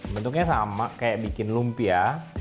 bentuknya sama kayak bikin lumpia